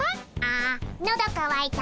あのどかわいた。